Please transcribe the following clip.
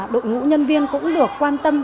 đội ngũ nhân viên cũng được quan tâm